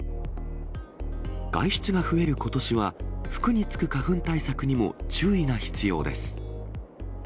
外出が増えることしは、服につく花粉対策にも注意が必要です。